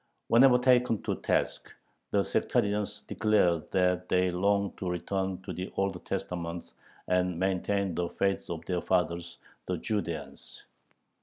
Whenever taken to task, the sectarians declared that they longed to return to the Old Testament and "maintain the faith of their fathers, the Judeans."